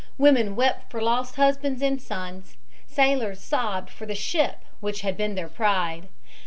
Women wept for lost husbands and sons, sailors sobbed for the ship which had been their pride.